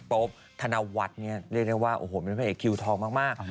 โป๊บธนวัฒน์เนี่ยเรียกได้ว่าโอ้โหเป็นพระเอกคิวทองมาก